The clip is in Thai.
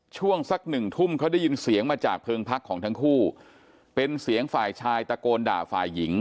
ช่วงสักหนึ่งทุ่มเขาได้ยินเสียงมาจากเพลิงพักของทั้งคู่เป็นเสียงฝ่ายชายตะโกนด่าฝ่ายหญิง